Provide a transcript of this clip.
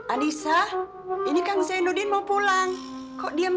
anissa ini kang zainuddin mau pulang kok diem